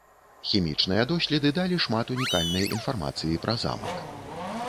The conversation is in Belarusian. Хімічныя доследы далі шмат унікальнай інфармацыі пра замак.